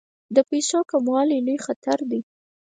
د پیسو کموالی لوی خطر دی.